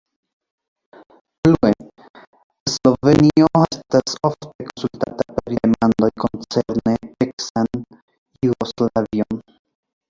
Plue, Slovenio estas ofte konsultata pri demandoj koncerne eksan Jugoslavion.